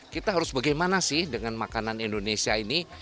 kita harus bagaimana sih dengan makanan indonesia ini